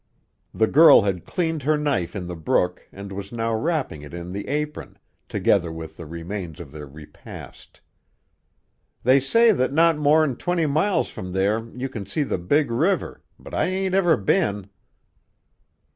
The girl had cleaned her knife in the brook and was now wrapping it in the apron, together with the remains of their repast. "They say that not more'n twenty miles from there you can see the big river, but I ain't ever been."